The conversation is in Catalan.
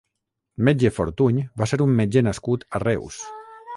Metge Fortuny va ser un metge nascut a Reus.